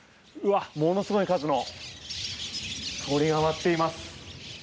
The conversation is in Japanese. ものすごい数の鳥が上がっています。